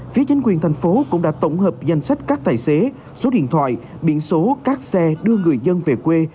phía chính quyền thành phố cũng đã tổng hợp danh sách các tài xế số điện thoại biển số các xe đưa người dân về quê